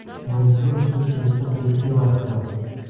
مجبور شوو چې یو څه پیسې ورکړو.